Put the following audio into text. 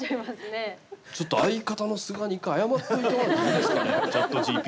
ちょっと相方の菅に一回謝っておいてもらっていいですかねＣｈａｔＧＰＴ。